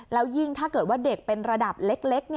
แล้วยิ่งถ้าเกิดว่าเด็กเป็นระดับเล็ก